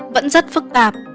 vẫn rất phức tạp